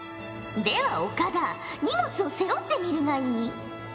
では岡田荷物を背負ってみるがいい。